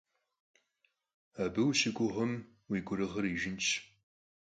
Abı vuşıguğme, vui gurığır yijjınş.